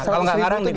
kalau gak ngarang